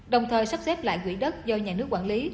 đồng thời sắp xếp lại quỹ đất do nhà nước quản lý